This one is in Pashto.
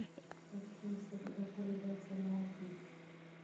پښتو ژبه به تل وځلیږي.